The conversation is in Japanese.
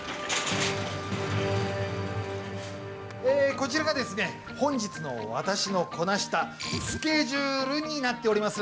こちらが本日の私のこなしたスケジュールになっております。